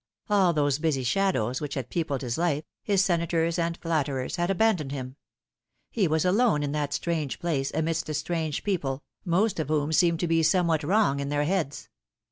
All those busy shadows which had peopled his life, his senators and flatterers, had abandoned him ; he was alone in that strange place amidst a strange people, most of whom seemed to be some what wrong in their heads.